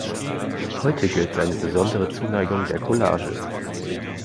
Heute gilt seine besondere Zuneigung der Collage.